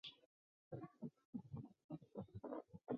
上特劳恩是奥地利上奥地利州格蒙登县的一个市镇。